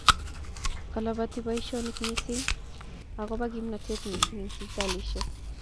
Kalabtoi boishinik mising akoba kimnatet mising eng sipitalishek